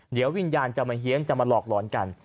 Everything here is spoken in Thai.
เดี๋ยววิญญาณจะมาเฮียนจะมาหลอกหลอนกัน